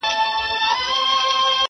خدای مهربان دی دا روژه په ما تولو ارزي,